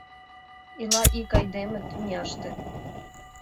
Ила ик айдеме тӱняште